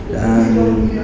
đã làm vụ